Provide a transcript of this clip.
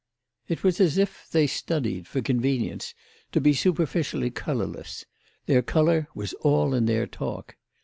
It was as if they studied, for convenience, to be superficially colourless; their colour was all in their talk.